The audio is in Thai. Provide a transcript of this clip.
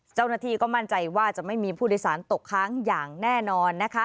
เจ้าหน้าที่ก็มั่นใจว่าจะไม่มีผู้โดยสารตกค้างอย่างแน่นอนนะคะ